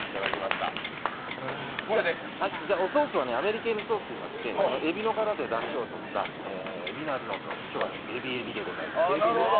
じゃ、おソースはアメリケーヌソースと言いましてえびのからでだしをとったえびの味のソース、今日は海老・えびでございます。